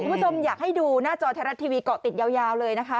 ที่ประจำอยากให้ดูหน้าจอแทนรัฐทีวีเกาะติดยาวเลยนะคะ